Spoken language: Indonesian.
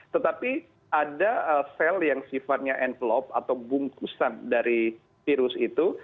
tetapi ada sel yang sifatnya envelop atau bungkusan dari virus itu